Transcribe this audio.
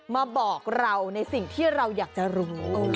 มาบอกเราในสิ่งที่เราอยากจะรู้